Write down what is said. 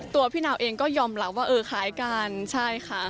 พี่นาวเองก็ยอมรับว่าเออคล้ายกันใช่ค่ะ